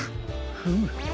フム。